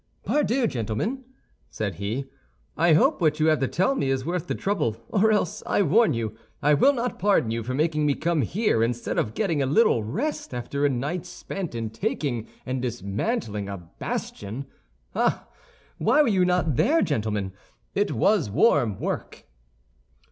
"Pardieu, gentlemen," said he. "I hope what you have to tell me is worth the trouble, or else, I warn you, I will not pardon you for making me come here instead of getting a little rest after a night spent in taking and dismantling a bastion. Ah, why were you not there, gentlemen? It was warm work."